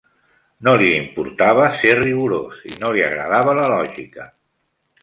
No li importava ser rigorós i no li agradava la lògica.